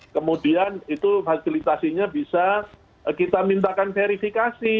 kemudian itu fasilitasinya bisa kita mintakan verifikasi